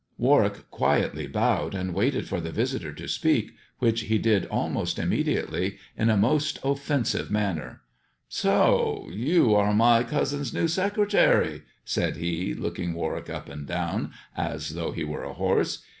Warwick quietly bowed, and waited for the visitor to speak, which he did almost immediately in a most offensive manner. " So you are my cousin's new secretary," said he, looking Warwick up and down as though he were a horse.